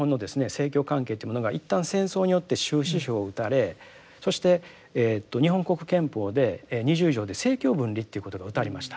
政教関係っていうものが一旦戦争によって終止符を打たれそして日本国憲法で二十条で政教分離っていうことがうたわれました。